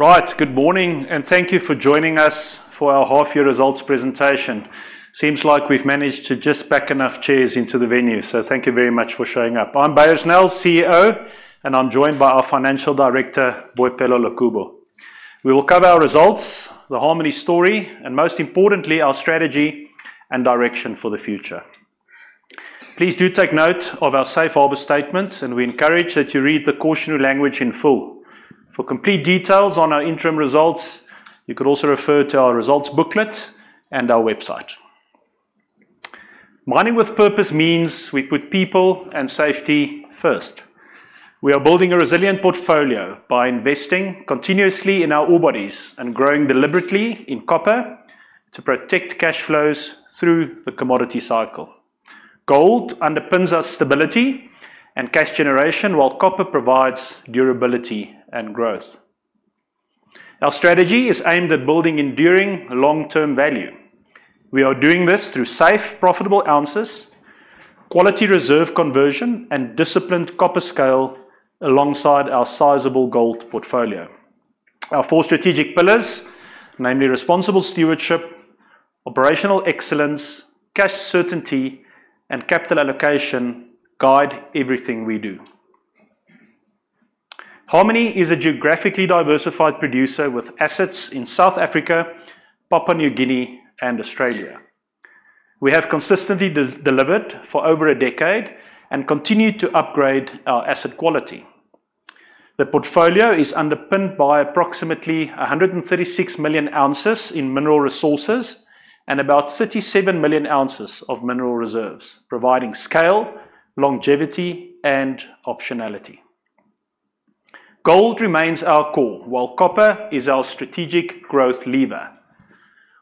Right. Good morning and thank you for joining us for our half year results presentation. Seems like we've managed to just pack enough chairs into the venue, so thank you very much for showing up. I'm Beyers Nel, CEO, and I'm joined by our Financial Director, Boipelo Lekubo. We will cover our results, the Harmony story, and most importantly, our strategy and direction for the future. Please do take note of our safe harbor statement, and we encourage that you read the cautionary language in full. For complete details on our interim results, you could also refer to our results booklet and our website. Mining with purpose means we put people and safety first. We are building a resilient portfolio by investing continuously in our ore bodies and growing deliberately in copper to protect cash flows through the commodity cycle. Gold underpins our stability and cash generation while copper provides durability and growth. Our strategy is aimed at building enduring long-term value. We are doing this through safe, profitable ounces, quality reserve conversion, and disciplined copper scale alongside our sizable gold portfolio. Our four strategic pillars, namely responsible stewardship, operational excellence, cash certainty, and capital allocation guide everything we do. Harmony is a geographically diversified producer with assets in South Africa, Papua New Guinea, and Australia. We have consistently de-delivered for over a decade and continue to upgrade our asset quality. The portfolio is underpinned by approximately 136 million ounces in mineral resources and about 37 million ounces of mineral reserves, providing scale, longevity, and optionality. Gold remains our core while copper is our strategic growth lever.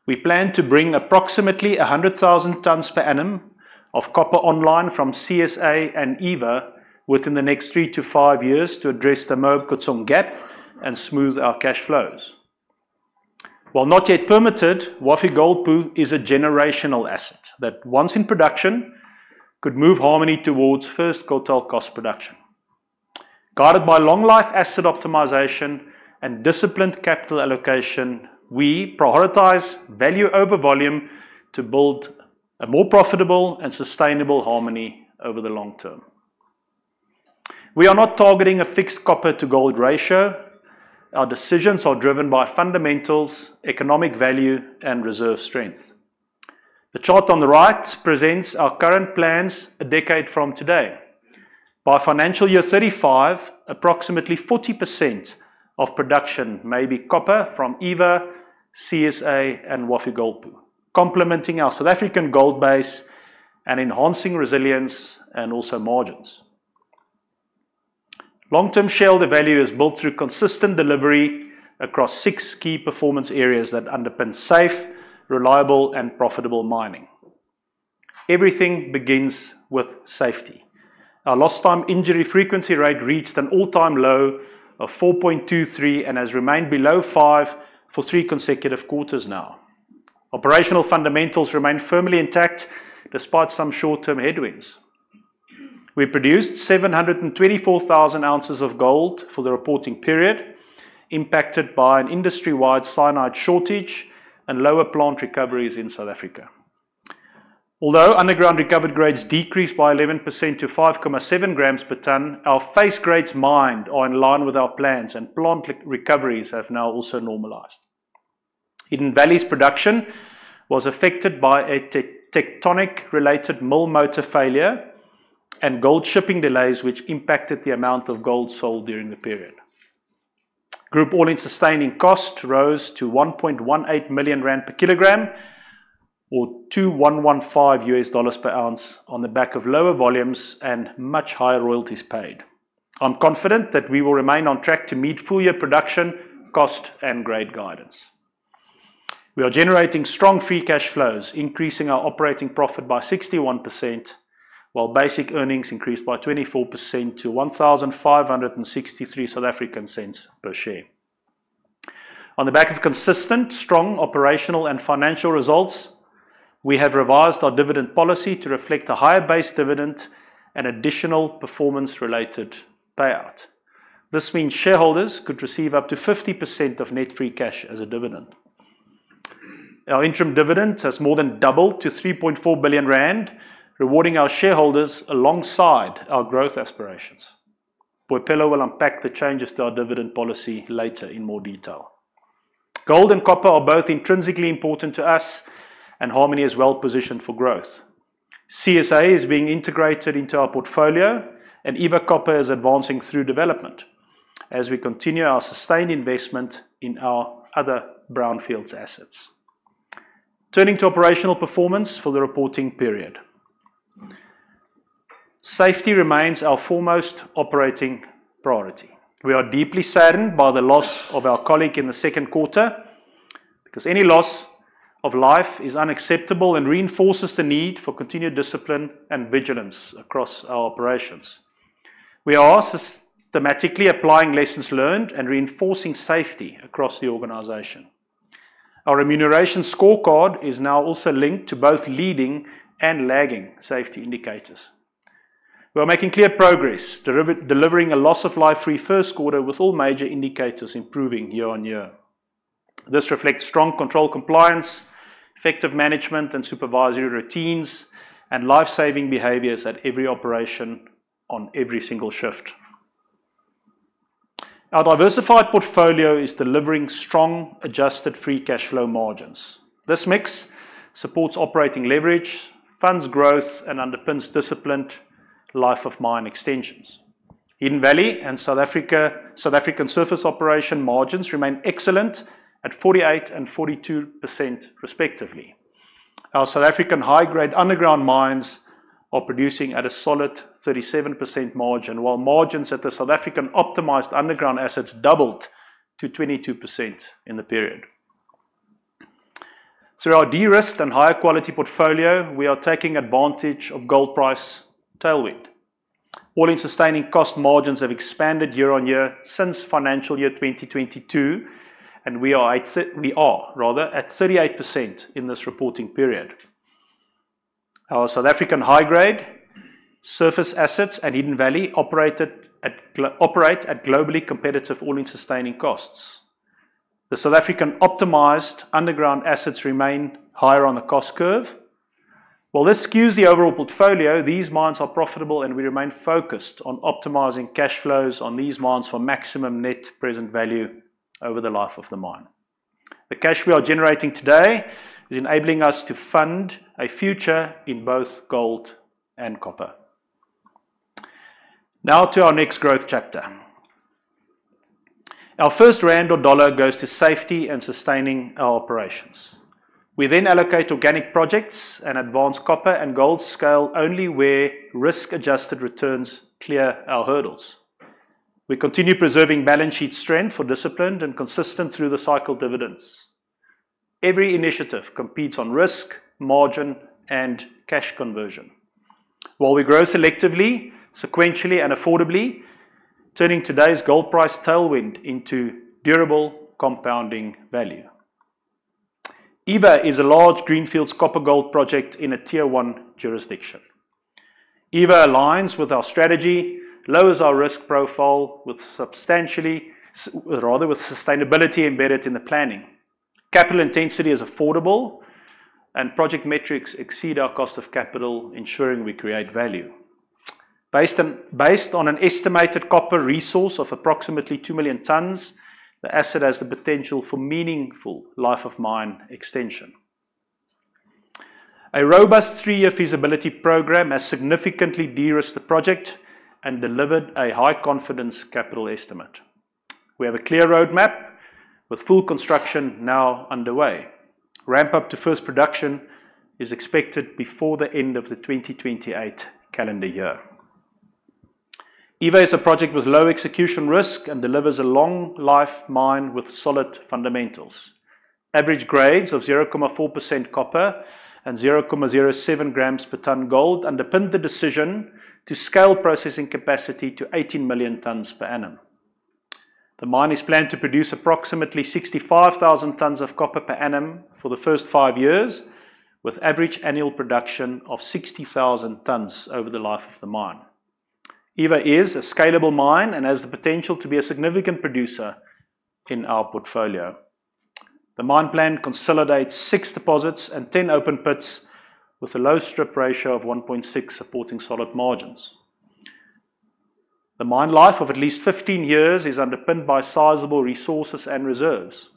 We plan to bring approximately 100,000 tons per annum of copper online from CSA and Eva within the next 3-5 years to address the Mponeng gap and smooth our cash flows. While not yet permitted, Wafi-Golpu is a generational asset that once in production could move Harmony towards first quartile cost production. Guided by long life asset optimization and disciplined capital allocation, we prioritize value over volume to build a more profitable and sustainable Harmony over the long term. We are not targeting a fixed copper to gold ratio. Our decisions are driven by fundamentals, economic value, and reserve strength. The chart on the right presents our current plans a decade from today. By financial year 35, approximately 40% of production may be copper from Eva, CSA, and Wafi-Golpu, complementing our South African gold base and enhancing resilience and also margins. Long-term shareholder value is built through consistent delivery across six key performance areas that underpin safe, reliable, and profitable mining. Everything begins with safety. Our lost time injury frequency rate reached an all-time low of 4.23 and has remained below five for three consecutive quarters now. Operational fundamentals remain firmly intact despite some short-term headwinds. We produced 724,000 ounces of gold for the reporting period, impacted by an industry-wide cyanide shortage and lower plant recoveries in South Africa. Although underground recovered grades decreased by 11% to 5.7 grams per ton, our face grades mined are in line with our plans and plant recoveries have now also normalized. Hidden Valley's production was affected by a tectonic related mill motor failure and gold shipping delays which impacted the amount of gold sold during the period. Group All-in sustaining cost rose to 1.18 million rand per kilogram or $2,115 per ounce on the back of lower volumes and much higher royalties paid. I'm confident that we will remain on track to meet full-year production, cost, and grade guidance. We are generating strong free cash flows, increasing our operating profit by 61%, while basic earnings increased by 24% to 15.63 per share. On the back of consistent strong operational and financial results, we have revised our dividend policy to reflect a higher base dividend and additional performance-related payout. This means shareholders could receive up to 50% of net free cash as a dividend. Our interim dividend has more than doubled to 3.4 billion rand, rewarding our shareholders alongside our growth aspirations. Boipelo will unpack the changes to our dividend policy later in more detail. Gold and copper are both intrinsically important to us, and Harmony is well-positioned for growth. CSA is being integrated into our portfolio, and Eva Copper is advancing through development as we continue our sustained investment in our other brownfields assets. Turning to operational performance for the reporting period. Safety remains our foremost operating priority. We are deeply saddened by the loss of our colleague in the second quarter because any loss of life is unacceptable and reinforces the need for continued discipline and vigilance across our operations. We are systematically applying lessons learned and reinforcing safety across the organization. Our remuneration scorecard is now also linked to both leading and lagging safety indicators. We are making clear progress, delivering a loss of life-free first quarter with all major indicators improving year-on-year. This reflects strong control compliance, effective management and supervisory routines, and life-saving behaviors at every operation on every single shift. Our diversified portfolio is delivering strong adjusted free cash flow margins. This mix supports operating leverage, funds growth, and underpins disciplined life of mine extensions. Hidden Valley and South African surface operation margins remain excellent at 48% and 42% respectively. Our South African high-grade underground mines are producing at a solid 37% margin, while margins at the South African optimized underground assets doubled to 22% in the period. Through our de-risked and higher quality portfolio, we are taking advantage of gold price tailwind. All-in sustaining cost margins have expanded year-on-year since financial year 2022, and we are rather at 38% in this reporting period. Our South African high-grade surface assets at Hidden Valley operate at globally competitive all-in sustaining costs. The South African optimized underground assets remain higher on the cost curve. While this skews the overall portfolio, these mines are profitable, and we remain focused on optimizing cash flows on these mines for maximum net present value over the life of the mine. The cash we are generating today is enabling us to fund a future in both gold and copper. Now to our next growth chapter. Our first rand or dollar goes to safety and sustaining our operations. We then allocate organic projects and advance copper and gold scale only where risk-adjusted returns clear our hurdles. We continue preserving balance sheet strength for disciplined and consistent through the cycle dividends. Every initiative competes on risk, margin, and cash conversion while we grow selectively, sequentially, and affordably, turning today's gold price tailwind into durable compounding value. Eva is a large greenfield copper-gold project in a tier one jurisdiction. Eva aligns with our strategy, lowers our risk profile with sustainability embedded in the planning. Capital intensity is affordable, and project metrics exceed our cost of capital, ensuring we create value. Based on an estimated copper resource of approximately 2 million tonnes, the asset has the potential for meaningful life of mine extension. A robust three-year feasibility program has significantly de-risked the project and delivered a high-confidence capital estimate. We have a clear roadmap with full construction now underway. Ramp-up to first production is expected before the end of the 2028 calendar year. Eva is a project with low execution risk and delivers a long life mine with solid fundamentals. Average grades of 0.4% copper and 0.07 grams per tonne gold underpin the decision to scale processing capacity to 18 million tonnes per annum. The mine is planned to produce approximately 65,000 tonnes of copper per annum for the first 5 years, with average annual production of 60,000 tonnes over the life of the mine. Eva is a scalable mine and has the potential to be a significant producer in our portfolio. The mine plan consolidates six deposits and 10 open pits with a low strip ratio of 1.6, supporting solid margins. The mine life of at least 15 years is underpinned by sizable resources and reserves.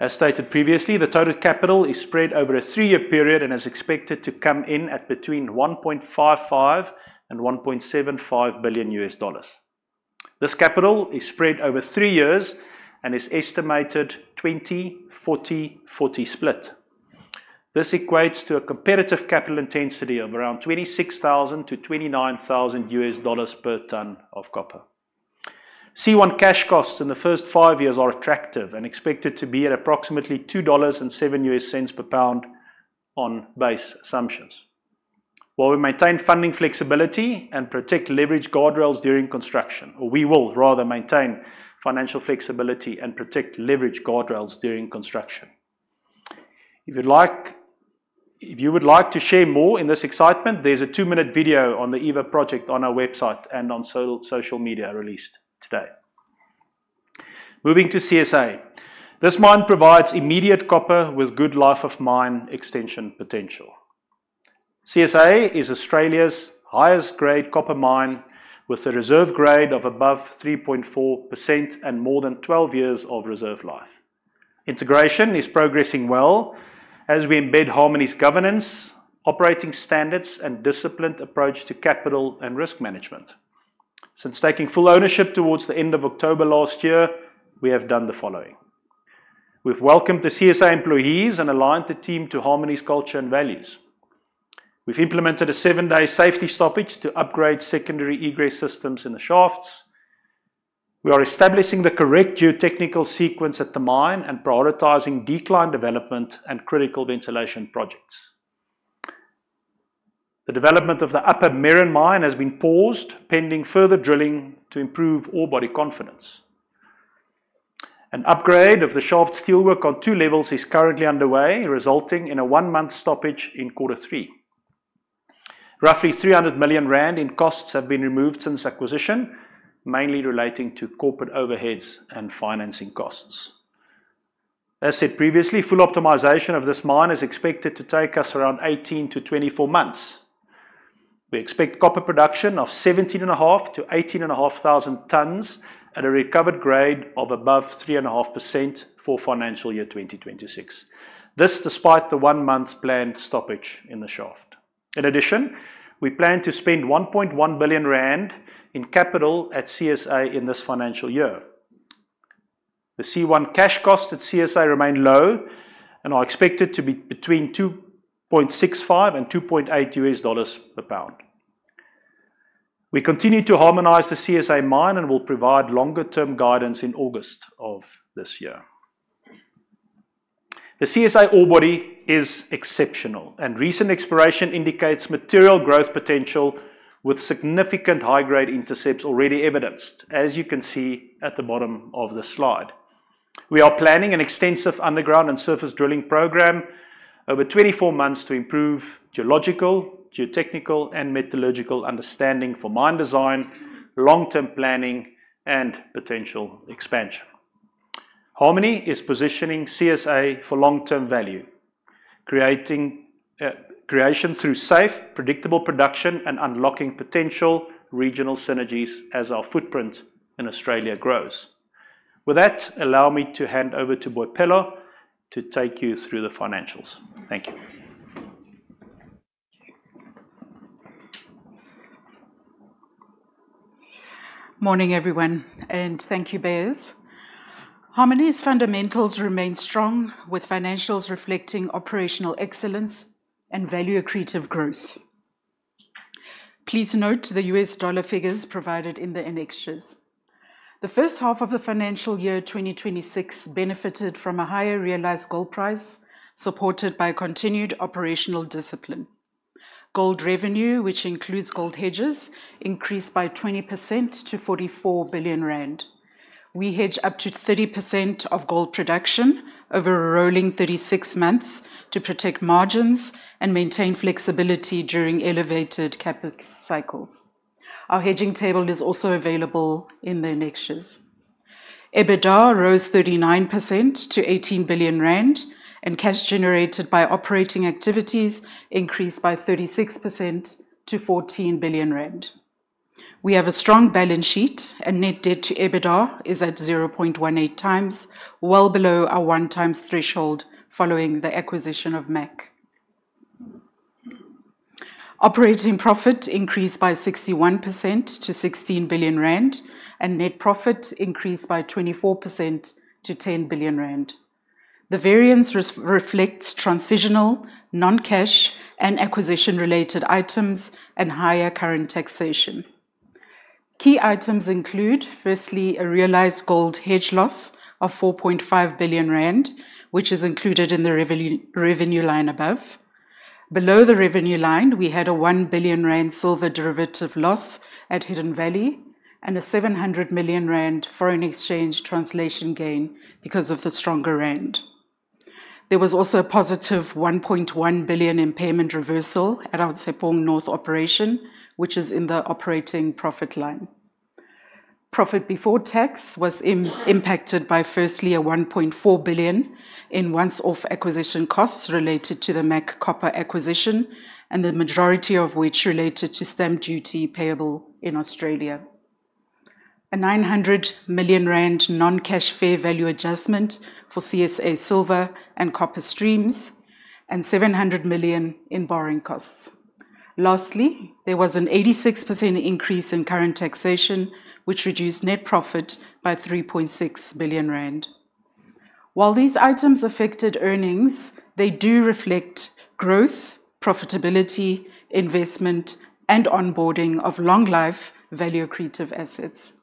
As stated previously, the total capital is spread over a 3-year period and is expected to come in at between $1.55 billion and $1.75 billion. This capital is spread over 3 years and is estimated 20/40/40 split. This equates to a competitive capital intensity of around $26,000-$29,000 per tonne of copper. C1 cash costs in the first 5 years are attractive and expected to be at approximately $2.07 per pound on base assumptions, while we maintain funding flexibility and protect leverage guardrails during construction. We will rather maintain financial flexibility and protect leverage guardrails during construction. If you would like to share more in this excitement, there's a two-minute video on the Eva project on our website and on social media released today. Moving to CSA. This mine provides immediate copper with good life of mine extension potential. CSA is Australia's highest-grade copper mine with a reserve grade of above 3.4% and more than 12 years of reserve life. Integration is progressing well as we embed Harmony's governance, operating standards, and disciplined approach to capital and risk management. Since taking full ownership towards the end of October last year, we have done the following. We've welcomed the CSA employees and aligned the team to Harmony's culture and values. We've implemented a 7-day safety stoppage to upgrade secondary egress systems in the shafts. We are establishing the correct geotechnical sequence at the mine and prioritizing decline development and critical ventilation projects. The development of the Upper Meran Mine has been paused, pending further drilling to improve ore body confidence. An upgrade of the shaft steelwork on two levels is currently underway, resulting in a one-month stoppage in quarter three. Roughly 300 million rand in costs have been removed since acquisition, mainly relating to corporate overheads and financing costs. As said previously, full optimization of this mine is expected to take us around 18-24 months. We expect copper production of 17,500-18,500 tons at a recovered grade of above 3.5% for financial year 2026. This despite the one-month planned stoppage in the shaft. In addition, we plan to spend 1.1 billion rand in capital at CSA in this financial year. The C1 cash costs at CSA remain low and are expected to be between $2.65-$2.8 per pound. We continue to harmonize the CSA mine and will provide longer-term guidance in August of this year. The CSA ore body is exceptional, and recent exploration indicates material growth potential with significant high-grade intercepts already evidenced, as you can see at the bottom of the slide. We are planning an extensive underground and surface drilling program over 24 months to improve geological, geotechnical, and metallurgical understanding for mine design, long-term planning, and potential expansion. Harmony is positioning CSA for long-term value creation through safe, predictable production and unlocking potential regional synergies as our footprint in Australia grows. With that, allow me to hand over to Boipelo to take you through the financials. Thank you. Morning, everyone, and thank you, Beyers. Harmony's fundamentals remain strong, with financials reflecting operational excellence and value-accretive growth. Please note the U.S. dollar figures provided in the annexures. The first half of the financial year 2026 benefited from a higher realized gold price, supported by continued operational discipline. Gold revenue, which includes gold hedges, increased by 20% to 44 billion rand. We hedge up to 30% of gold production over a rolling 36 months to protect margins and maintain flexibility during elevated capital cycles. Our hedging table is also available in the annexures. EBITDA rose 39% to 18 billion rand, and cash generated by operating activities increased by 36% to 14 billion rand. We have a strong balance sheet, and net debt to EBITDA is at 0.18x, well below our 1x threshold following the acquisition of MAC. Operating profit increased by 61% to 16 billion rand, and net profit increased by 24% to 10 billion rand. The variance reflects transitional, non-cash, and acquisition-related items and higher current taxation. Key items include, firstly, a realized gold hedge loss of 4.5 billion rand, which is included in the revenue line above. Below the revenue line, we had a 1 billion rand silver derivative loss at Hidden Valley and a 700 million rand foreign exchange translation gain because of the stronger rand. There was also a positive 1.1 billion impairment reversal at our Tshepong North operation, which is in the operating profit line. Profit before tax was impacted by firstly 1.4 billion in once-off acquisition costs related to the MAC Copper acquisition, and the majority of which related to stamp duty payable in Australia. A 900 million rand non-cash fair value adjustment for CSA silver and copper streams and 700 million in borrowing costs. Lastly, there was an 86% increase in current taxation, which reduced net profit by 3.6 billion rand. While these items affected earnings, they do reflect growth, profitability, investment, and onboarding of long-life value-accretive assets.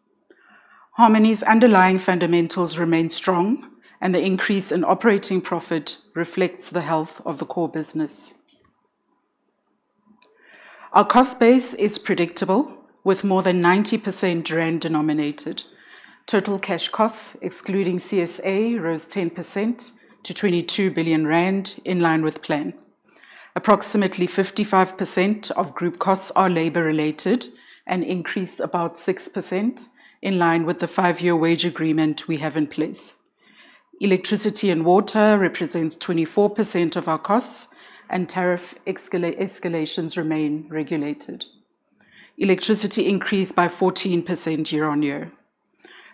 Harmony's underlying fundamentals remain strong, and the increase in operating profit reflects the health of the core business. Our cost base is predictable, with more than 90% rand denominated. Total cash costs, excluding CSA, rose 10% to 22 billion rand in line with plan. Approximately 55% of group costs are labor-related and increased about 6% in line with the five-year wage agreement we have in place. Electricity and water represents 24% of our costs, and tariff escalations remain regulated. Electricity increased by 14% year-on-year.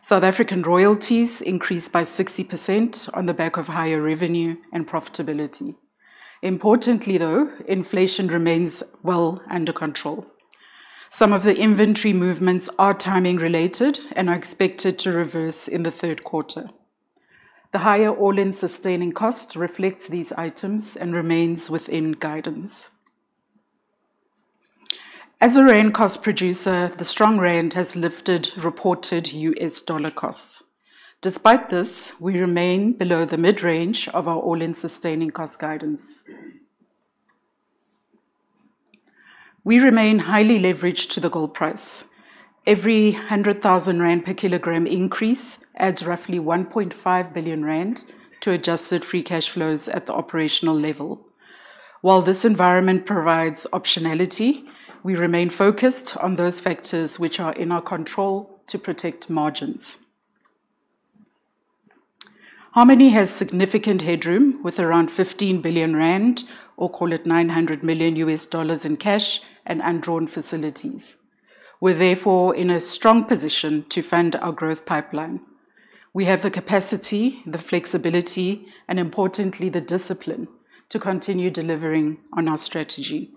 South African royalties increased by 60% on the back of higher revenue and profitability. Importantly, though, inflation remains well under control. Some of the inventory movements are timing related and are expected to reverse in the third quarter. The higher all-in sustaining cost reflects these items and remains within guidance. As a rand cost producer, the strong rand has lifted reported U.S. dollar costs. Despite this, we remain below the mid-range of our all-in sustaining cost guidance. We remain highly leveraged to the gold price. Every 100,000 rand per kilogram increase adds roughly 1.5 billion rand to adjusted free cash flows at the operational level. While this environment provides optionality, we remain focused on those factors which are in our control to protect margins. Harmony has significant headroom with around 15 billion rand, or call it $900 million, in cash and undrawn facilities. We're therefore in a strong position to fund our growth pipeline. We have the capacity, the flexibility, and importantly, the discipline to continue delivering on our strategy.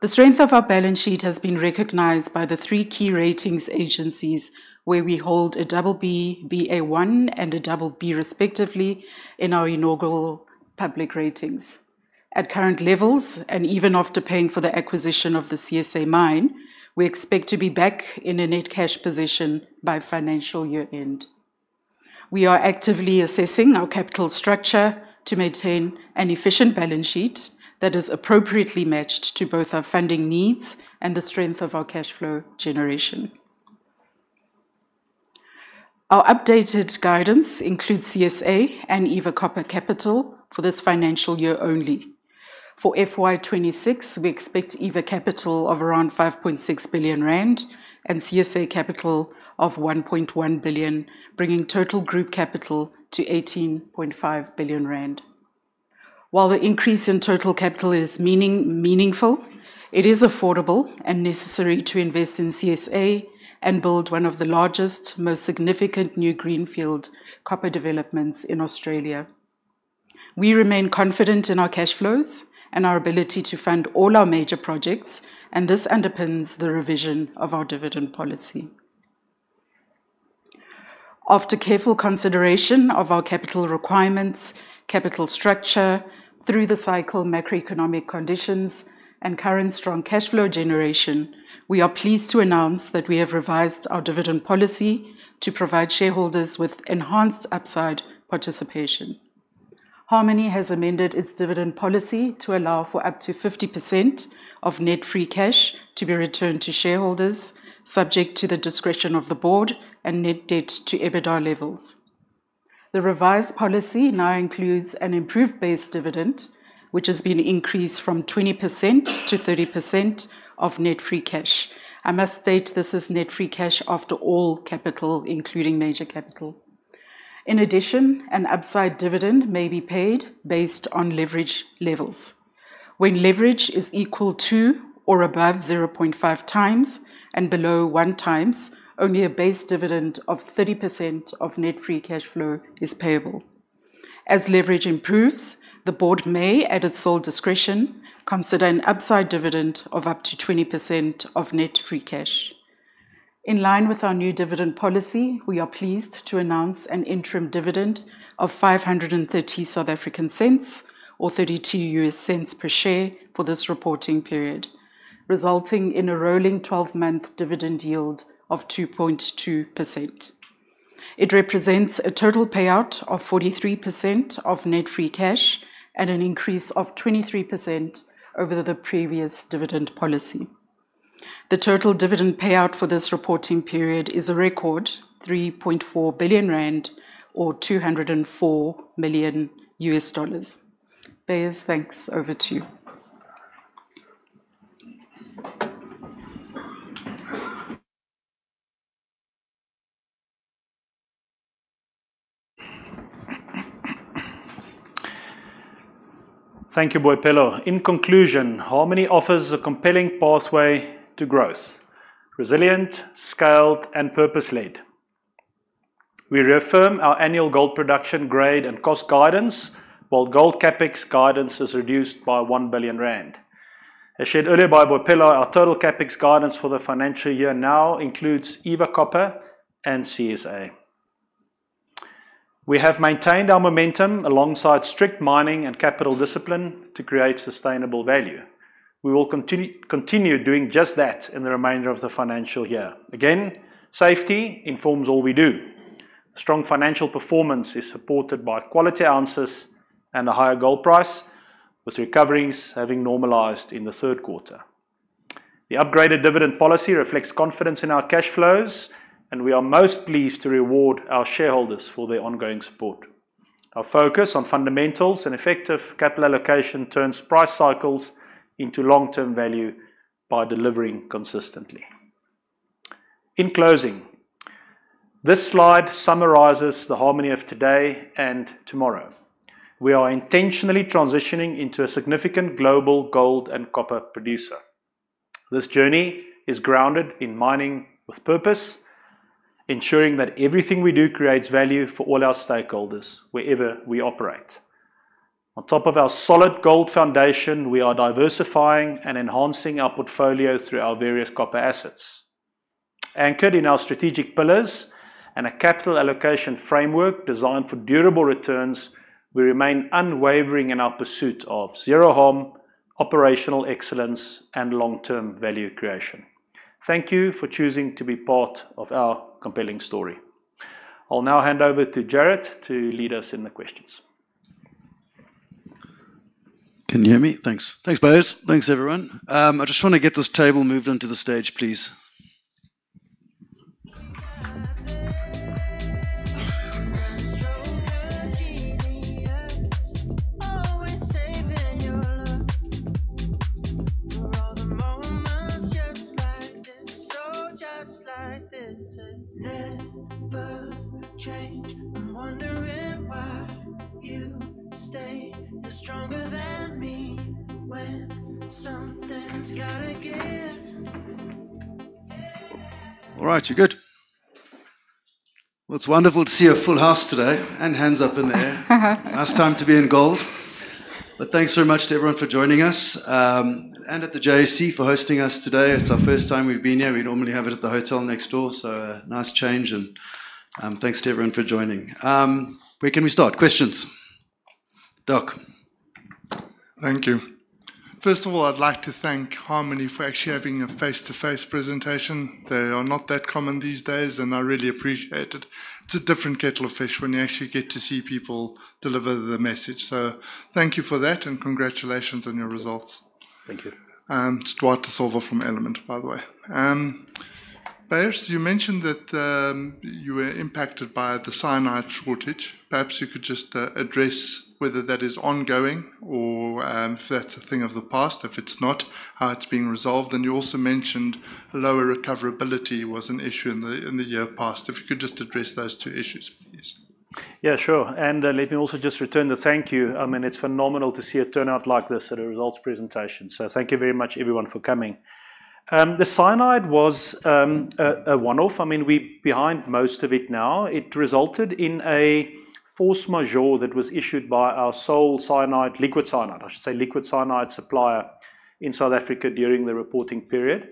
The strength of our balance sheet has been recognized by the three key ratings agencies, where we hold a BB, Ba1, and a BB respectively in our inaugural public ratings. At current levels, and even after paying for the acquisition of the CSA mine, we expect to be back in a net cash position by financial year-end. We are actively assessing our capital structure to maintain an efficient balance sheet that is appropriately matched to both our funding needs and the strength of our cash flow generation. Our updated guidance includes CSA and Eva Copper capital for this financial year only. For FY 2026, we expect Eva capital of around 5.6 billion rand and CSA capital of 1.1 billion, bringing total group capital to 18.5 billion rand. While the increase in total capital is meaningful, it is affordable and necessary to invest in CSA and build one of the largest, most significant new greenfield copper developments in Australia. We remain confident in our cash flows and our ability to fund all our major projects, and this underpins the revision of our dividend policy. After careful consideration of our capital requirements, capital structure through the cycle, macroeconomic conditions, and current strong cash flow generation, we are pleased to announce that we have revised our dividend policy to provide shareholders with enhanced upside participation. Harmony has amended its dividend policy to allow for up to 50% of net free cash to be returned to shareholders subject to the discretion of the board and net debt to EBITDA levels. The revised policy now includes an improved base dividend, which has been increased from 20% to 30% of net free cash. I must state this is net free cash after all capital, including major capital. In addition, an upside dividend may be paid based on leverage levels. When leverage is equal to or above 0.5x and below 1x, only a base dividend of 30% of net free cash flow is payable. As leverage improves, the board may, at its sole discretion, consider an upside dividend of up to 20% of net free cash. In line with our new dividend policy, we are pleased to announce an interim dividend of 5.30 or $0.32 per share for this reporting period, resulting in a rolling twelve-month dividend yield of 2.2%. It represents a total payout of 43% of net free cash and an increase of 23% over the previous dividend policy. The total dividend payout for this reporting period is a record 3.4 billion rand, or $204 million. Beyers Nel, thanks. Over to you. Thank you, Boipelo. In conclusion, Harmony offers a compelling pathway to growth, resilient, scaled, and purpose-led. We reaffirm our annual gold production grade and cost guidance while gold CapEx guidance is reduced by 1 billion rand. As shared earlier by Boipelo, our total CapEx guidance for the financial year now includes Eva Copper and CSA. We have maintained our momentum alongside strict mining and capital discipline to create sustainable value. We will continue doing just that in the remainder of the financial year. Again, safety informs all we do. Strong financial performance is supported by quality ounces and a higher gold price, with recoveries having normalized in the third quarter. The upgraded dividend policy reflects confidence in our cash flows, and we are most pleased to reward our shareholders for their ongoing support. Our focus on fundamentals and effective capital allocation turns price cycles into long-term value by delivering consistently. In closing, this slide summarizes the Harmony of today and tomorrow. We are intentionally transitioning into a significant global gold and copper producer. This journey is grounded in mining with purpose, ensuring that everything we do creates value for all our stakeholders wherever we operate. On top of our solid gold foundation, we are diversifying and enhancing our portfolio through our various copper assets. Anchored in our strategic pillars and a capital allocation framework designed for durable returns, we remain unwavering in our pursuit of zero harm, operational excellence, and long-term value creation. Thank you for choosing to be part of our compelling story. I'll now hand over to Jared to lead us in the questions. Can you hear me? Thanks. Thanks, Beyers. Thanks, everyone. I just wanna get this table moved onto the stage, please. We've got a plan. A stroke of genius. Always saving your love. For all the moments just like this. Oh, just like this. It never changed. I'm wondering why you stay. You're stronger than me. When something's gotta give. All right. You're good. Well, it's wonderful to see a full house today and hands up in the air. Last time to be in gold. Thanks so much to everyone for joining us and at the JSE for hosting us today. It's our first time we've been here. We normally have it at the hotel next door, so nice change and thanks to everyone for joining. Where can we start? Questions. Doc. Thank you. First of all, I'd like to thank Harmony for actually having a face-to-face presentation. They are not that common these days, and I really appreciate it. It's a different kettle of fish when you actually get to see people deliver the message. Thank you for that, and congratulations on your results. Thank you. Stuart de Silva from Element, by the way. Beyers Nel, you mentioned that you were impacted by the cyanide shortage. Perhaps you could just address whether that is ongoing or if that's a thing of the past. If it's not, how it's being resolved. You also mentioned lower recoverability was an issue in the year past. If you could just address those two issues, please. Yeah, sure. Let me also just return the thank you. I mean, it's phenomenal to see a turnout like this at a results presentation. Thank you very much everyone for coming. The cyanide was a one-off. I mean, we're behind most of it now. It resulted in a force majeure that was issued by our sole liquid cyanide supplier in South Africa during the reporting period.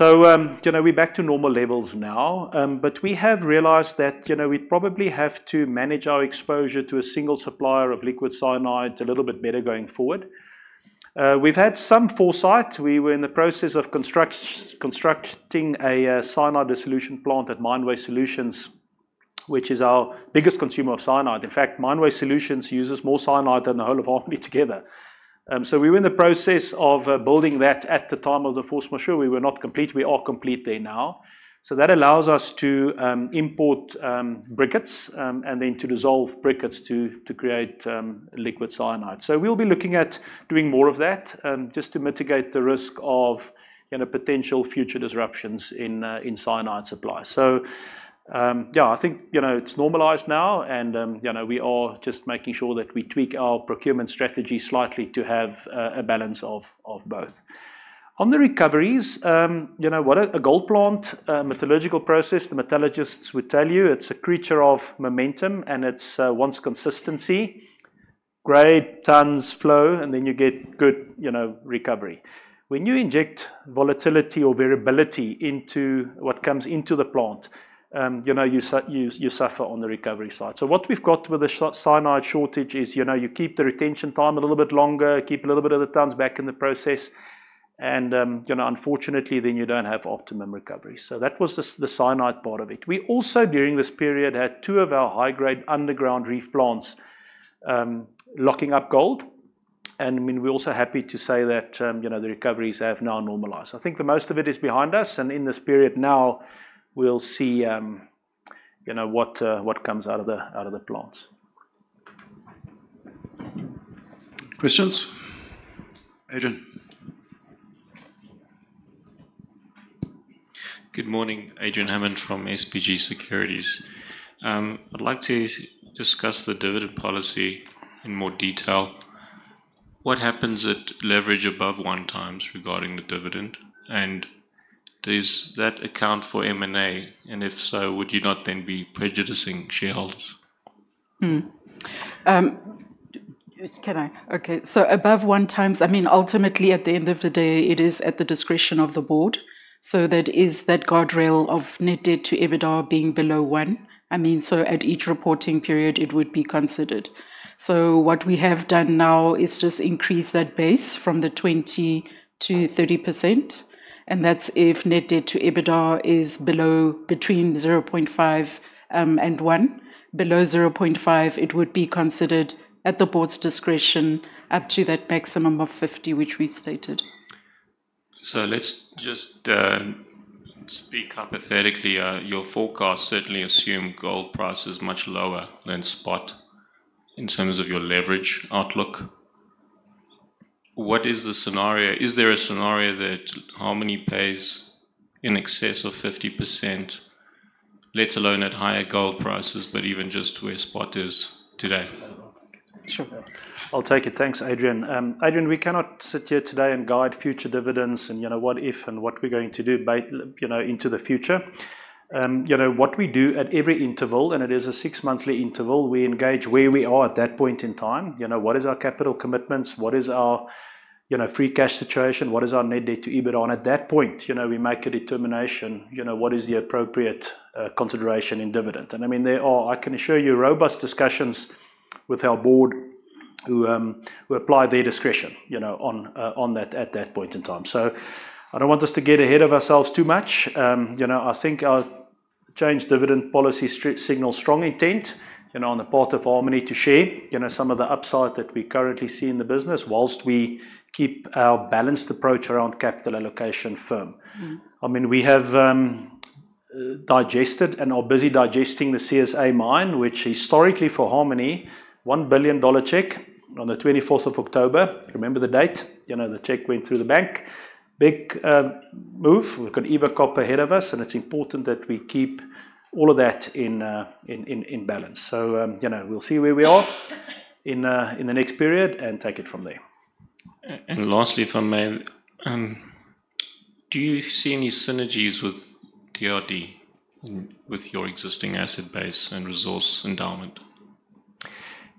You know, we're back to normal levels now. But we have realized that, you know, we probably have to manage our exposure to a single supplier of liquid cyanide a little bit better going forward. We've had some foresight. We were in the process of constructing a cyanide dissolution plant at Mine Waste Solutions, which is our biggest consumer of cyanide. In fact, Mine Waste Solutions uses more cyanide than the whole of Harmony together. So we were in the process of building that at the time of the force majeure. We were not complete. We are complete there now. So that allows us to import briquettes and then to dissolve briquettes to create liquid cyanide. So we'll be looking at doing more of that just to mitigate the risk of, you know, potential future disruptions in cyanide supply. So yeah, I think, you know, it's normalized now, and you know, we are just making sure that we tweak our procurement strategy slightly to have a balance of both. On the recoveries, you know, what a gold plant, a metallurgical process, the metallurgists would tell you it's a creature of momentum, and it's wants consistency. Grade, tons, flow, and then you get good, you know, recovery. When you inject volatility or variability into what comes into the plant, you know, you suffer on the recovery side. What we've got with the cyanide shortage is, you know, you keep the retention time a little bit longer, keep a little bit of the tons back in the process and, you know, unfortunately, then you don't have optimum recovery. That was the cyanide part of it. We also, during this period, had two of our high-grade underground reef plants, locking up gold. I mean, we're also happy to say that, you know, the recoveries have now normalized. I think the most of it is behind us and in this period now we'll see, you know, what comes out of the plants. Questions? Adrian. Good morning. Adrian Hammond from SBG Securities. I'd like to discuss the dividend policy in more detail. What happens at leverage above 1x regarding the dividend? Does that account for M&A? If so, would you not then be prejudicing shareholders? Above 1x, I mean, ultimately at the end of the day, it is at the discretion of the board. That is that guardrail of net debt to EBITDA being below 1x. I mean, at each reporting period it would be considered. What we have done now is just increase that base from the 20% to 30%, and that's if net debt to EBITDA is below, between 0.5x and 1x. Below 0.5x, it would be considered at the board's discretion up to that maximum of 50%, which we've stated. Let's just speak hypothetically. Your forecasts certainly assume gold price is much lower than spot in terms of your leverage outlook. What is the scenario? Is there a scenario that Harmony pays in excess of 50%, let alone at higher gold prices, but even just where spot is today? Sure. I'll take it. Thanks, Adrian. Adrian, we cannot sit here today and guide future dividends and, you know, what if and what we're going to do you know, into the future. You know, what we do at every interval, and it is a six-monthly interval, we engage where we are at that point in time. You know, what is our capital commitments? What is our, you know, free cash situation? What is our net debt to EBITDA? And at that point, you know, we make a determination, you know, what is the appropriate consideration in dividend. And I mean, there are, I can assure you, robust discussions with our board who apply their discretion, you know, on that at that point in time. I don't want us to get ahead of ourselves too much. You know, I think our changed dividend policy signals strong intent, you know, on the part of Harmony to share, you know, some of the upside that we currently see in the business whilst we keep our balanced approach around capital allocation firm. Mm-hmm. I mean, we have digested and are busy digesting the CSA mine, which historically for Harmony, $1 billion check on the twenty-fourth of October. Remember the date, you know, the check went through the bank. Big move. We've got Eva Copper ahead of us, and it's important that we keep all of that in balance. You know, we'll see where we are in the next period and take it from there. Lastly, if I may, do you see any synergies with TRD with your existing asset base and resource endowment?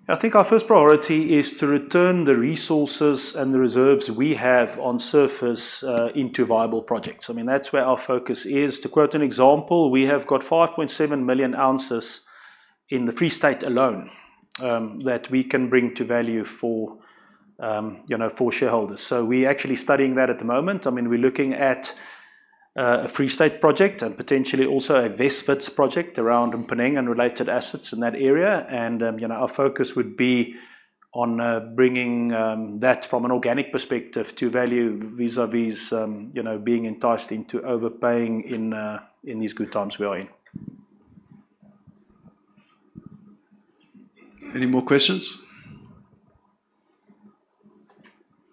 I think our first priority is to return the resources and the reserves we have on surface into viable projects. I mean, that's where our focus is. To quote an example, we have got 5.7 million ounces in the Free State alone that we can bring to value for you know for shareholders. So we're actually studying that at the moment. I mean, we're looking at a Free State project and potentially also a West Wits project around Mponeng and related assets in that area. You know, our focus would be on bringing that from an organic perspective to value vis-à-vis you know being enticed into overpaying in these good times we are in. Any more questions?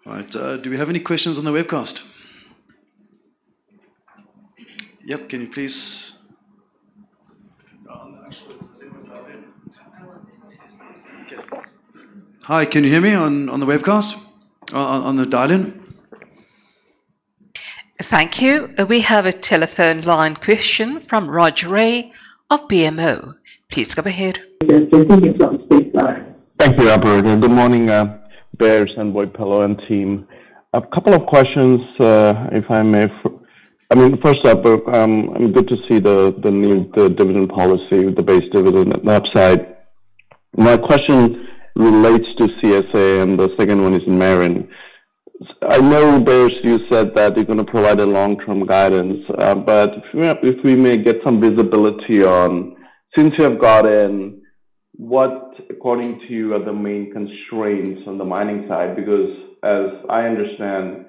All right. Do we have any questions on the webcast? Yep. Can you please- No, on the actual same one dial-in. I'm on the dial-in. Okay. Hi, can you hear me on the webcast, on the dial-in? Thank you. We have a telephone line question from Raj Ray of BMO. Please go ahead. Yes. I think it's on speaker. Thank you, Operator. Good morning, Bears and Boipelo Lekubo and team. A couple of questions, if I may. I mean, first up, good to see the new dividend policy with the base dividend upside. My question relates to CSA and the second one is Meran. I know, Beyers Nel, you said that you're gonna provide a long-term guidance, but if we may get some visibility on since you have got in, what according to you are the main constraints on the mining side? Because as I understand,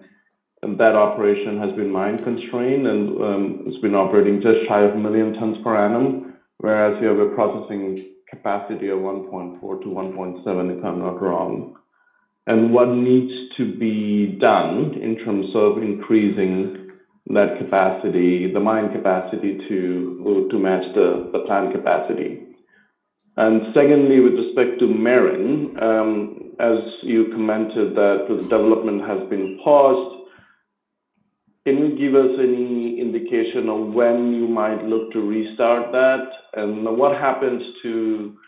that operation has been mine-constrained and it's been operating just shy of 1 million tons per annum, whereas you have a processing capacity of 1.4-1.7, if I'm not wrong. What needs to be done in terms of increasing that capacity, the mine capacity to match the plant capacity? Secondly, with respect to Meran, as you commented that the development has been paused, can you give us any indication of when you might look to restart that? What happens to it?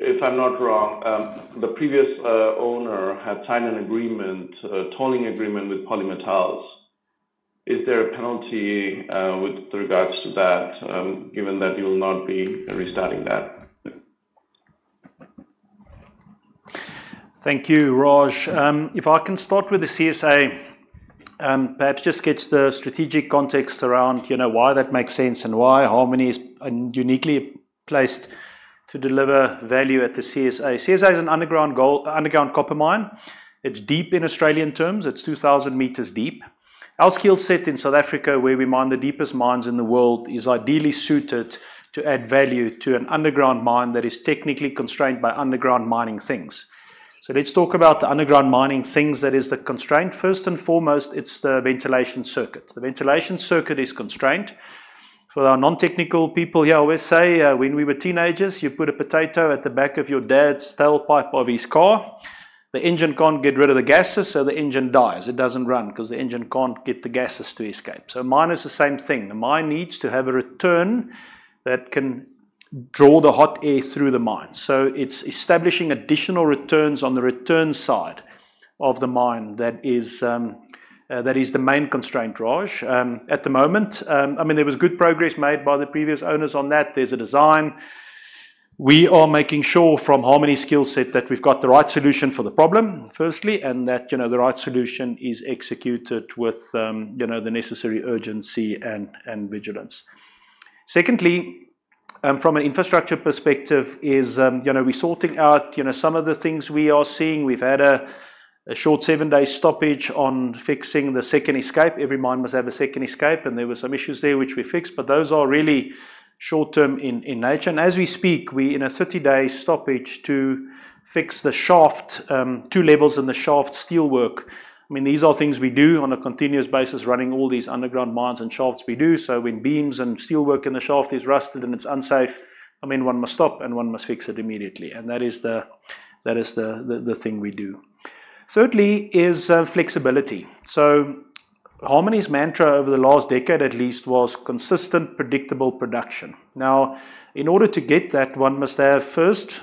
If I'm not wrong, the previous owner had signed an agreement, a tolling agreement with Polymetals. Is there a penalty with regards to that, given that you will not be restarting that? Thank you, Raj. If I can start with the CSA, perhaps just sketch the strategic context around, you know, why that makes sense and why Harmony is uniquely placed to deliver value at the CSA. CSA is an underground copper mine. It's deep in Australian terms. It's 2,000 meters deep. Our skill set in South Africa, where we mine the deepest mines in the world, is ideally suited to add value to an underground mine that is technically constrained by underground mining things. Let's talk about the underground mining things that is the constraint. First and foremost, it's the ventilation circuit. The ventilation circuit is constrained. For our non-technical people here, I always say, when we were teenagers, you put a potato at the back of your dad's tailpipe of his car. The engine can't get rid of the gases, so the engine dies. It doesn't run 'cause the engine can't get the gases to escape. A mine is the same thing. The mine needs to have a return that can draw the hot air through the mine. It's establishing additional returns on the return side of the mine that is the main constraint, Raj, at the moment. I mean, there was good progress made by the previous owners on that. There's a design. We are making sure from Harmony's skill set that we've got the right solution for the problem, firstly, and that, you know, the right solution is executed with, you know, the necessary urgency and vigilance. Secondly, from an infrastructure perspective is, you know, we're sorting out, you know, some of the things we are seeing. We've had a short seven-day stoppage on fixing the second escape. Every mine must have a second escape, and there were some issues there which we fixed, but those are really short-term in nature. As we speak, we're in a thirty-day stoppage to fix the shaft, two levels in the shaft steelwork. I mean, these are things we do on a continuous basis, running all these underground mines and shafts we do. When beams and steelwork in the shaft is rusted and it's unsafe, I mean, one must stop and one must fix it immediately. That is the thing we do. Thirdly is flexibility. Harmony's mantra over the last decade at least was consistent, predictable production. Now, in order to get that, one must have first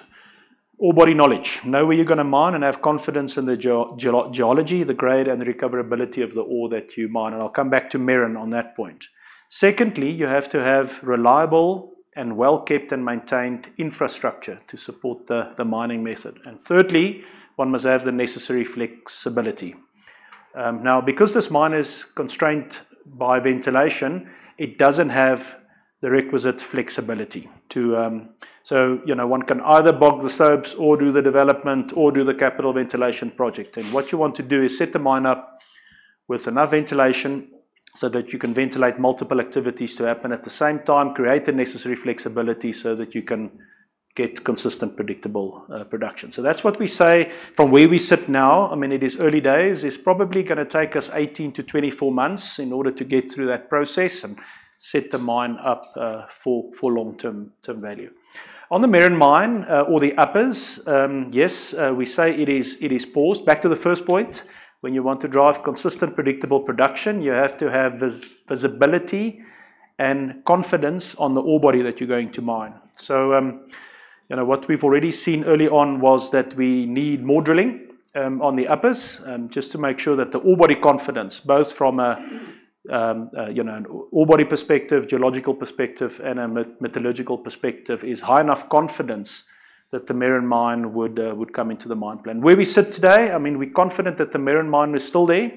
ore body knowledge. Know where you're gonna mine and have confidence in the geology, the grade, and the recoverability of the ore that you mine. I'll come back to Meran on that point. Secondly, you have to have reliable and well-kept and maintained infrastructure to support the mining method. Thirdly, one must have the necessary flexibility. Now because this mine is constrained by ventilation, it doesn't have the requisite flexibility. You know, one can either bog the stopes or do the development or do the capital ventilation project. What you want to do is set the mine up with enough ventilation so that you can ventilate multiple activities to happen at the same time, create the necessary flexibility so that you can get consistent, predictable production. That's what we say from where we sit now. I mean, it is early days. It's probably gonna take us 18-24 months in order to get through that process and set the mine up, for long-term value. On the Meran mine, or the Upper Meran, yes, we say it is paused. Back to the first point, when you want to drive consistent, predictable production, you have to have visibility and confidence on the ore body that you're going to mine. You know, what we've already seen early on was that we need more drilling, on the Upper Meran, just to make sure that the ore body confidence, both from a, you know, an ore body perspective, geological perspective, and a metallurgical perspective is high enough confidence that the Meran mine would come into the mine plan. Where we sit today, I mean, we're confident that the Meran mine is still there.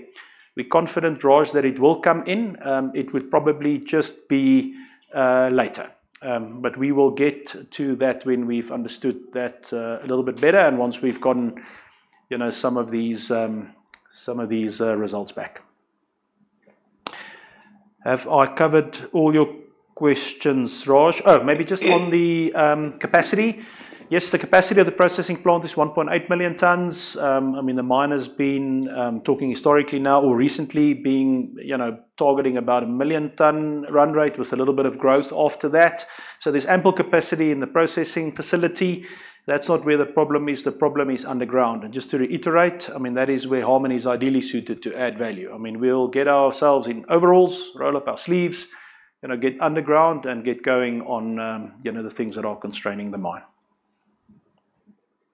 We're confident, Raj, that it will come in. It will probably just be later. But we will get to that when we've understood that a little bit better and once we've gotten, you know, some of these results back. Have I covered all your questions, Raj? Oh, maybe just on the capacity. Yes, the capacity of the processing plant is 1.8 million tons. I mean, the mine has been talking historically now or recently being, you know, targeting about 1 million ton run rate with a little bit of growth after that. There's ample capacity in the processing facility. That's not where the problem is. The problem is underground. Just to reiterate, I mean, that is where Harmony is ideally suited to add value. I mean, we'll get ourselves in overalls, roll up our sleeves, you know, get underground and get going on, you know, the things that are constraining the mine.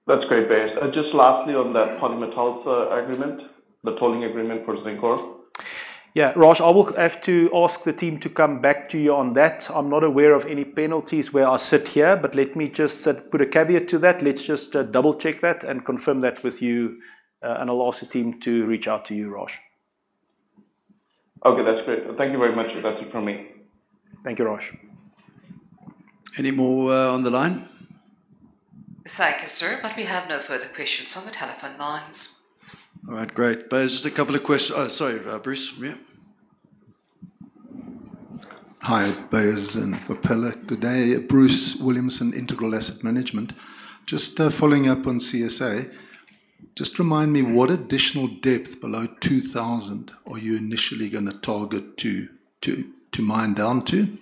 That's great, Beyers. Just lastly on that Polymetals agreement, the tolling agreement for Zincora. Yeah. Raj, I will have to ask the team to come back to you on that. I'm not aware of any penalties where I sit here, but let me just put a caveat to that. Let's just double-check that and confirm that with you, and I'll ask the team to reach out to you, Raj. Okay, that's great. Thank you very much. That's it from me. Thank you, Raj. Any more on the line? Thank you, sir. We have no further questions on the telephone lines. All right. Great. Beyers, just a couple of questions. Oh, sorry, Bruce. Yeah. Hi, Beyers Nel and Boipelo Lekubo. Good day. Bruce Williamson, Integral Asset Management. Just following up on CSA, just remind me what additional depth below 2,000 are you initially gonna target to mine down to?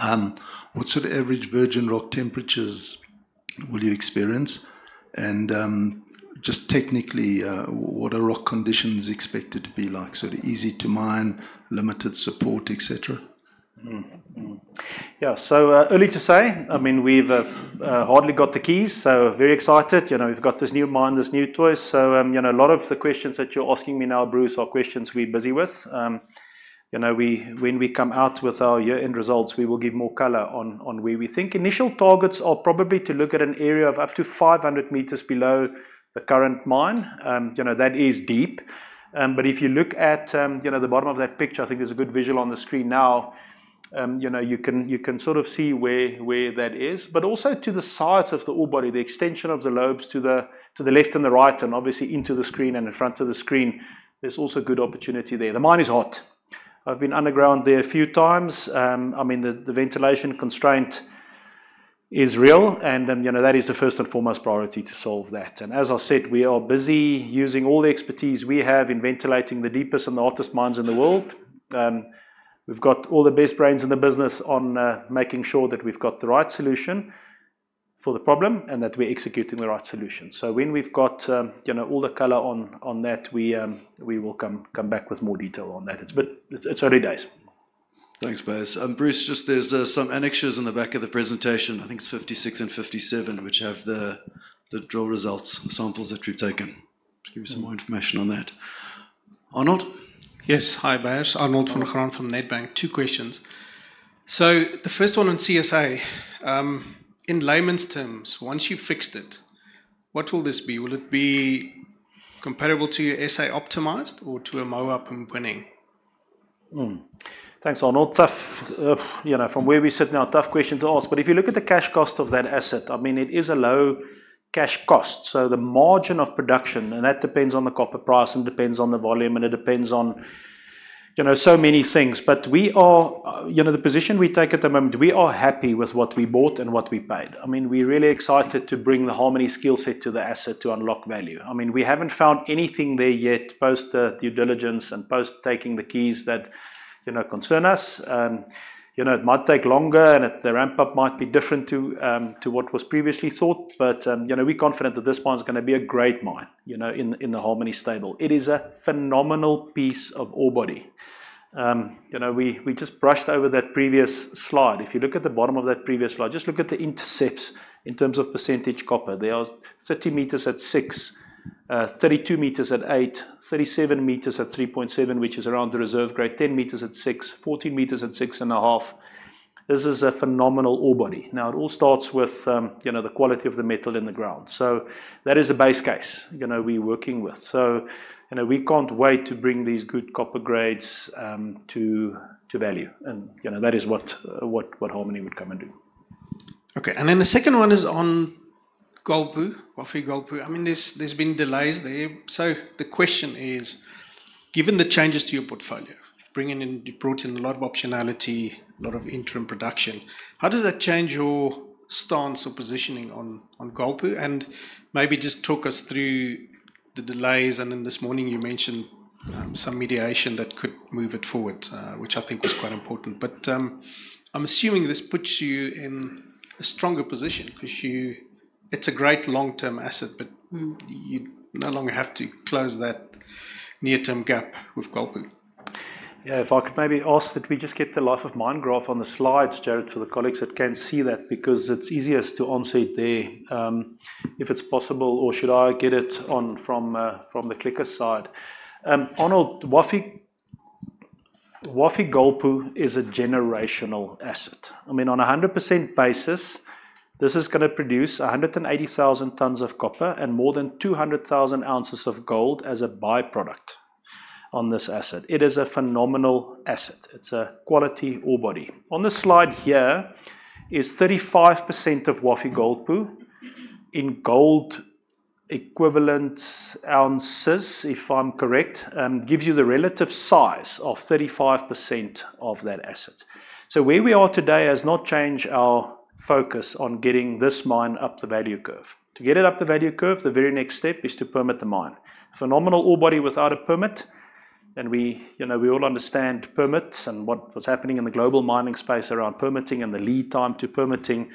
What sort of average virgin rock temperatures will you experience? And just technically, what are rock conditions expected to be like? Sort of easy to mine, limited support, et cetera. Early to say, I mean, we've hardly got the keys, so very excited. You know, we've got this new mine, this new toy. A lot of the questions that you're asking me now, Bruce, are questions we're busy with. You know, when we come out with our year-end results, we will give more color on where we think. Initial targets are probably to look at an area of up to 500 meters below the current mine. You know, that is deep. But if you look at the bottom of that picture, I think there's a good visual on the screen now. You know, you can sort of see where that is. Also to the sides of the ore body, the extension of the lobes to the left and the right and obviously into the screen and in front of the screen, there's also good opportunity there. The mine is hot. I've been underground there a few times. I mean, the ventilation constraint is real and, you know, that is the first and foremost priority to solve that. As I've said, we are busy using all the expertise we have in ventilating the deepest and the hottest mines in the world. We've got all the best brains in the business on making sure that we've got the right solution for the problem and that we're executing the right solution. When we've got, you know, all the color on that, we will come back with more detail on that. It's early days. Thanks, Beyers. Bruce, just there are some annexures in the back of the presentation, I think it's 56 and 57, which have the drill results, the samples that we've taken to give you some more information on that. Arnold? Yes. Hi, Beyers. Arnold Van Graan from Nedbank. Two questions. The first one on CSA, in layman's terms, once you've fixed it, what will this be? Will it be comparable to your SA optimized or to a Mponeng? Thanks, Arnold Van Graan. Tough, you know, from where we sit now, tough question to ask. If you look at the cash cost of that asset, I mean, it is a low cash cost. The margin of production, and that depends on the copper price and depends on the volume, and it depends on, you know, so many things. You know, the position we take at the moment, we are happy with what we bought and what we paid. I mean, we're really excited to bring the Harmony skill set to the asset to unlock value. I mean, we haven't found anything there yet post the due diligence and post taking the keys that, you know, concern us. You know, it might take longer and the ramp-up might be different to what was previously thought. You know, we're confident that this mine's gonna be a great mine, you know, in the Harmony stable. It is a phenomenal piece of ore body. You know, we just brushed over that previous slide. If you look at the bottom of that previous slide, just look at the intercepts in terms of percentage copper. There are 30 meters at 6%, 32 meters at 8%, 37 meters at 3.7%, which is around the reserve grade, 10 meters at 6%, 14 meters at 6.5%. This is a phenomenal ore body. Now it all starts with, you know, the quality of the metal in the ground. That is a base case, you know, we're working with. You know, we can't wait to bring these good copper grades to value and, you know, that is what Harmony would come and do. Okay. The second one is on Golpu, Wafi-Golpu. I mean, there's been delays there. The question is, given the changes to your portfolio, you brought in a lot of optionality, a lot of interim production, how does that change your stance or positioning on Golpu? Maybe just talk us through the delays and then this morning you mentioned. Mm Some mediation that could move it forward, which I think was quite important. I'm assuming this puts you in a stronger position 'cause it's a great long-term asset, but- Mm You no longer have to close that near-term gap with Golpu. Yeah, if I could maybe ask that we just get the life of mine graph on the slides, Jared, for the colleagues that can't see that because it's easiest to answer it there, if it's possible, or should I get it on from the clicker side? Arnold Van Graan, Wafi-Golpu is a generational asset. I mean, on a 100% basis, this is gonna produce 180,000 tons of copper and more than 200,000 ounces of gold as a byproduct on this asset. It is a phenomenal asset. It's a quality ore body. On this slide here is 35% of Wafi-Golpu in gold equivalent ounces, if I'm correct, gives you the relative size of 35% of that asset. Where we are today has not changed our focus on getting this mine up the value curve. To get it up the value curve, the very next step is to permit the mine. Phenomenal ore body without a permit, and we, you know, we all understand permits and what was happening in the global mining space around permitting and the lead time to permitting,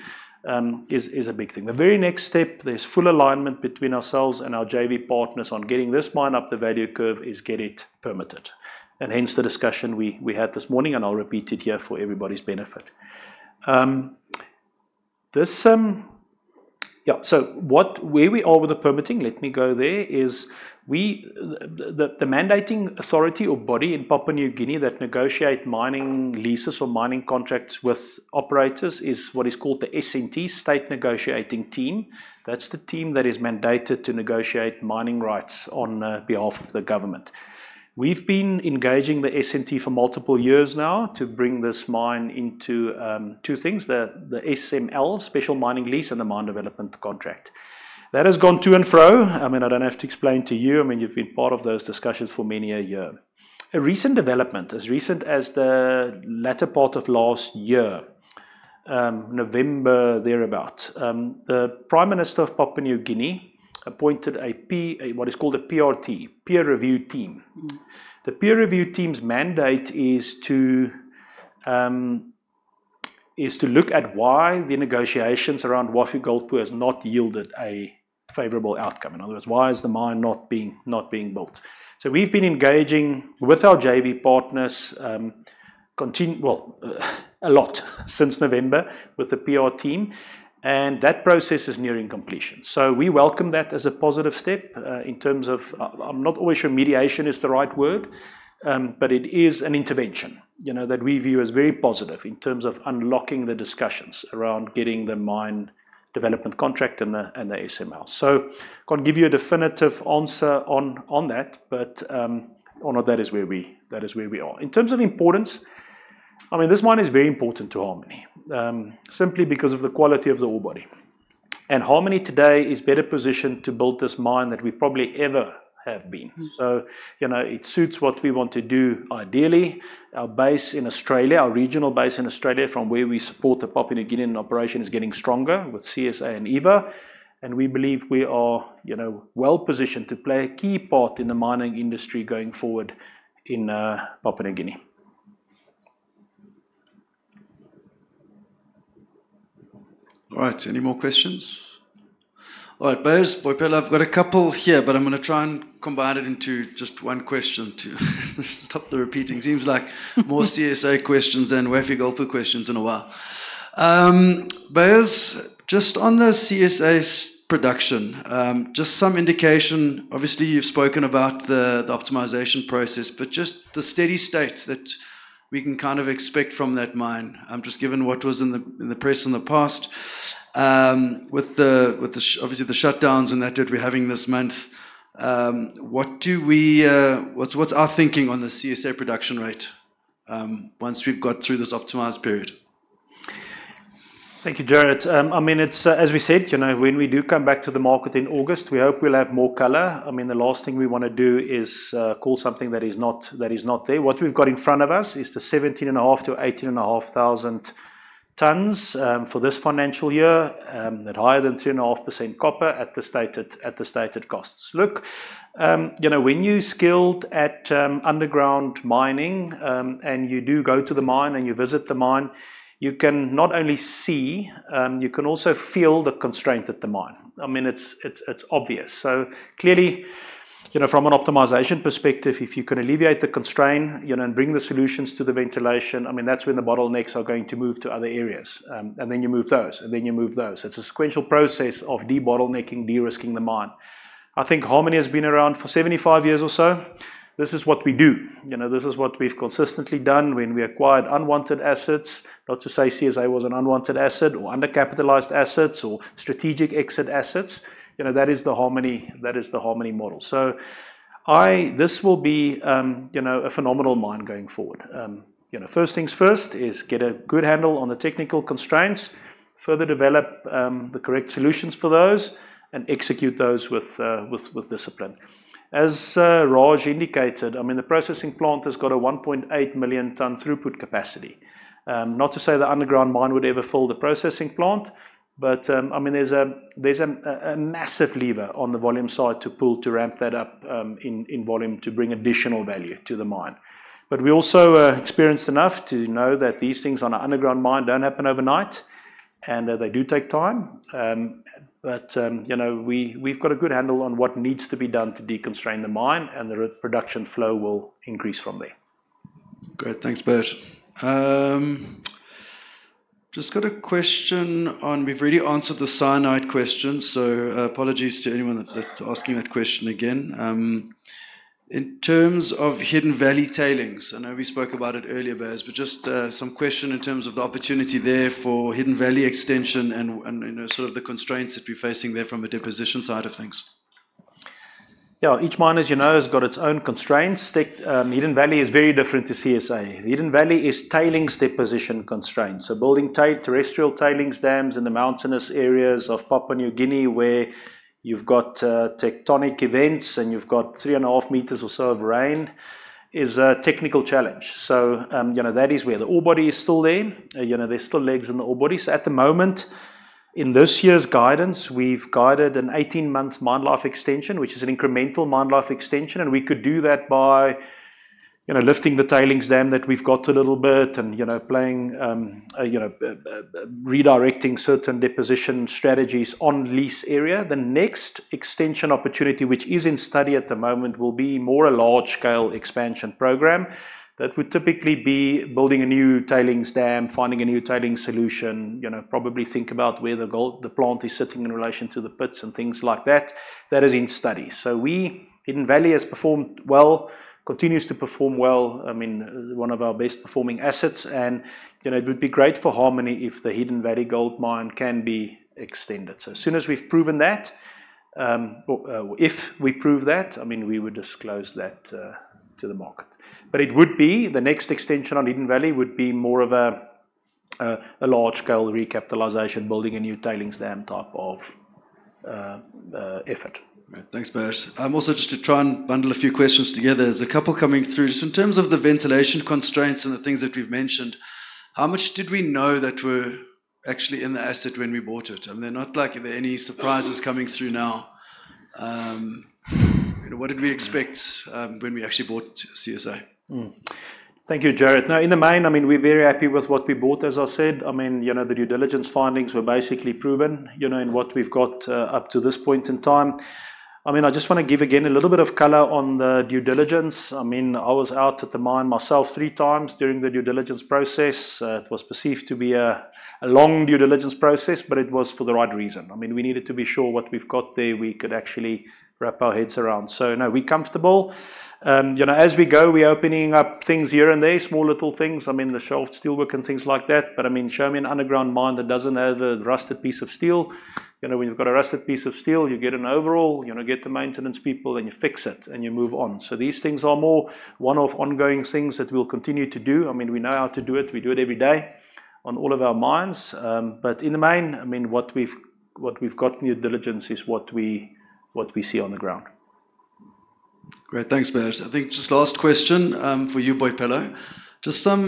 is a big thing. The very next step, there's full alignment between ourselves and our JV partners on getting this mine up the value curve is get it permitted. Hence the discussion we had this morning and I'll repeat it here for everybody's benefit. Where we are with the permitting, let me go there, is the mandating authority or body in Papua New Guinea that negotiate mining leases or mining contracts with Operators is what is called the SNT, State Negotiating Team. That's the team that is mandated to negotiate mining rights on behalf of the government. We've been engaging the SNT for multiple years now to bring this mine into two things, the SML, Special Mining Lease, and the Mine Development Contract. That has gone to and fro. I mean, I don't have to explain to you. I mean, you've been part of those discussions for many a year. A recent development, as recent as the latter part of last year, November thereabout, the Prime Minister of Papua New Guinea appointed a what is called a PRT, Peer Review Team. Mm. The Peer Review Team's mandate is to look at why the negotiations around Wafi-Golpu has not yielded a favorable outcome. In other words, why is the mine not being built? We've been engaging with our JV partners, well, a lot since November with the PR team, and that process is nearing completion. We welcome that as a positive step in terms of I'm not always sure mediation is the right word, but it is an intervention, you know, that we view as very positive in terms of unlocking the discussions around getting the Mine Development Contract and the SML. Can't give you a definitive answer on that, but Arnold, that is where we are. In terms of importance, I mean, this mine is very important to Harmony, simply because of the quality of the ore body. Harmony today is better positioned to build this mine than we probably ever have been. Mm. You know, it suits what we want to do ideally. Our base in Australia, our regional base in Australia from where we support the Papua New Guinea operation is getting stronger with CSA and Eva, and we believe we are, you know, well-positioned to play a key part in the mining industry going forward in Papua New Guinea. All right, any more questions? All right, Beyers, Boipelo, I've got a couple here, but I'm gonna try and combine it into just one question to stop the repeating. Seems like more CSA questions than Wafi-Golpu questions in a while. Beyers, just on the CSA's production, just some indication. Obviously, you've spoken about the optimization process, but just the steady state that we can kind of expect from that mine. Just given what was in the press in the past, with the shutdowns that we're having this month, what's our thinking on the CSA production rate, once we've got through this optimized period? Thank you, Jared. I mean, it's, as we said, you know, when we do come back to the market in August, we hope we'll have more color. I mean, the last thing we wanna do is call something that is not there. What we've got in front of us is the 17,500-18,500 tons for this financial year at higher than 3.5% copper at the stated costs. Look, you know, when you're skilled at underground mining and you do go to the mine and you visit the mine, you can not only see, you can also feel the constraint at the mine. I mean, it's obvious. Clearly, you know, from an optimization perspective, if you can alleviate the constraint, you know, and bring the solutions to the ventilation, I mean, that's when the bottlenecks are going to move to other areas, and then you move those. It's a sequential process of de-bottlenecking, de-risking the mine. I think Harmony has been around for 75 years or so. This is what we do. You know, this is what we've consistently done when we acquired unwanted assets. Not to say CSA was an unwanted asset or undercapitalized assets or strategic exit assets. You know, that is the Harmony model. This will be, you know, a phenomenal mine going forward. You know, first things first is get a good handle on the technical constraints, further develop the correct solutions for those, and execute those with discipline. As Raj indicated, I mean, the processing plant has got a 1.8 million ton throughput capacity. Not to say the underground mine would ever fill the processing plant, but I mean, there's a massive lever on the volume side to pull to ramp that up in volume to bring additional value to the mine. We're also experienced enough to know that these things on an underground mine don't happen overnight, and they do take time. You know, we've got a good handle on what needs to be done to deconstrain the mine, and the production flow will increase from there. Great. Thanks, Beyers Nel. Just got a question on. We've already answered the cyanide question, so apologies to anyone that's asking that question again. In terms of Hidden Valley tailings, I know we spoke about it earlier, Beyers Nel, but just some question in terms of the opportunity there for Hidden Valley extension and you know, sort of the constraints that you're facing there from a deposition side of things. Yeah. Each mine, as you know, has got its own constraints. Hidden Valley is very different to CSA. Hidden Valley is tailings deposition constraints. So building terrestrial tailings dams in the mountainous areas of Papua New Guinea where you've got tectonic events and you've got 3.5 meters or so of rain is a technical challenge. So, you know, that is where the ore body is still there. You know, there's still legs in the ore body. So at the moment, in this year's guidance, we've guided an 18-month mine life extension, which is an incremental mine life extension, and we could do that by, you know, lifting the tailings dam that we've got a little bit and, you know, playing, you know, redirecting certain deposition strategies on lease area. The next extension opportunity, which is in study at the moment, will be more a large-scale expansion program that would typically be building a new tailings dam, finding a new tailings solution. You know, probably think about where the gold, the plant is sitting in relation to the pits and things like that. That is in study. Hidden Valley has performed well, continues to perform well. I mean, one of our best-performing assets and, you know, it would be great for Harmony if the Hidden Valley Gold Mine can be extended. As soon as we've proven that, or if we prove that, I mean, we would disclose that to the market. It would be the next extension on Hidden Valley would be more of a large-scale recapitalization, building a new tailings dam type of effort. Right. Thanks, Beyers Nel. Also just to try and bundle a few questions together, there's a couple coming through. Just in terms of the ventilation constraints and the things that we've mentioned, how much did we know that there were actually in the asset when we bought it? I mean, not like there are any surprises coming through now. What did we expect, when we actually bought CSA? Thank you, Jared. Now, in the mine, I mean, we're very happy with what we bought, as I said. I mean, you know, the due diligence findings were basically proven, you know, in what we've got up to this point in time. I mean, I just wanna give again a little bit of color on the due diligence. I mean, I was out at the mine myself 3 times during the due diligence process. It was perceived to be a long due diligence process, but it was for the right reason. I mean, we needed to be sure what we've got there, we could actually wrap our heads around. No, we're comfortable. You know, as we go, we're opening up things here and there, small little things. I mean, the shelf steelwork and things like that. I mean, show me an underground mine that doesn't have a rusted piece of steel. You know, when you've got a rusted piece of steel, you get an overall, you know, get the maintenance people, and you fix it, and you move on. These things are more one-off ongoing things that we'll continue to do. I mean, we know how to do it. We do it every day on all of our mines. In the mine, I mean, what we've got in due diligence is what we see on the ground. Great. Thanks, Beyers Nel. I think just last question, for you, Boipelo. Just some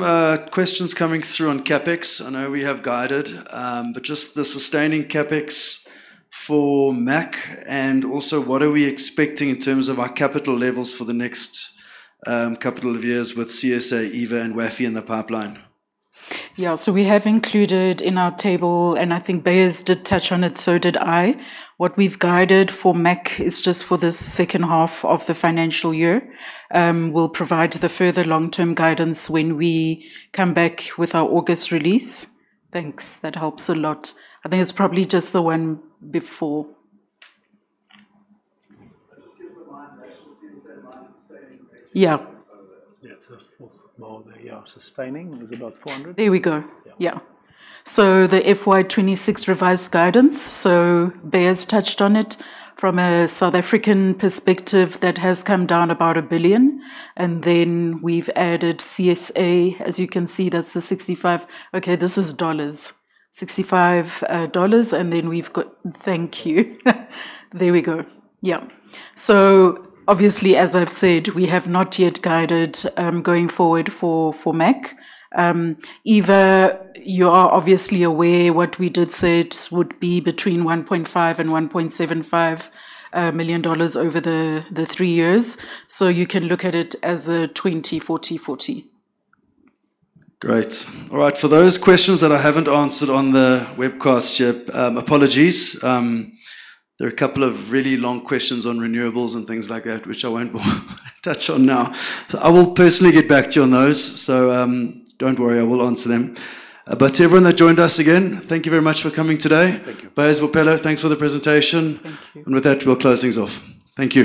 questions coming through on CapEx. I know we have guided, but just the sustaining CapEx for Mac and also what are we expecting in terms of our capital levels for the next couple of years with CSA, Eva, and Wafi in the pipeline? Yeah. We have included in our table, and I think Beyers Nel did touch on it, so did I. What we've guided for MAC is just for the second half of the financial year. We'll provide the further long-term guidance when we come back with our August release. Thanks. That helps a lot. I think it's probably just the one before. Just give the mine, the actual CSA mine sustaining picture. Yeah. Well, the sustaining is about $400. There we go. Yeah. The FY 2026 revised guidance, Beyers Nel's touched on it from a South African perspective that has come down about 1 billion. We've added CSA, as you can see, that's the 65. Okay, this is dollars. $65, and then we've got. Obviously, as I've said, we have not yet guided going forward for MAC. Eva, you are obviously aware what we did say it would be between $1.5 million-$1.75 million over the three years. You can look at it as a 20, 40. Great. All right. For those questions that I haven't answered on the webcast Q&A, apologies. There are a couple of really long questions on renewables and things like that, which I won't touch on now. I will personally get back to you on those. Don't worry, I will answer them. To everyone that joined us, again, thank you very much for coming today. Thank you. Beyers, Boipelo, thanks for the presentation. Thank you. With that, we'll close things off. Thank you.